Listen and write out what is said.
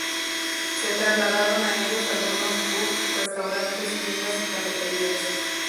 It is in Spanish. Se trasladaron a ellos algunos "pubs", restaurantes, tiendas y cafeterías.